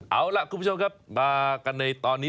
เอาล่ะคุณผู้ชมครับมากันในตอนนี้